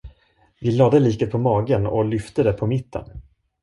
Vi lade liket på magen och lyfte det på mitten.